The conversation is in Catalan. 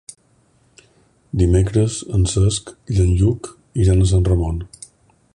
Dimecres en Cesc i en Lluc iran a Sant Ramon.